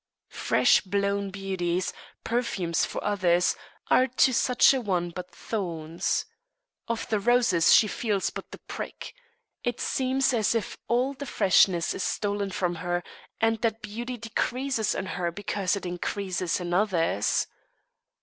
Fresh blown beauties, perfumes for others, are to such a one but thorns. Of the roses she feels but the prick. It seems as if all the freshness is stolen from her, and that beauty decreases in her because it increases in others.